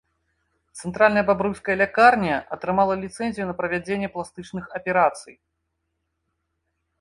Цэнтральная бабруйская лякарня атрымала ліцэнзію на правядзенне пластычных аперацый.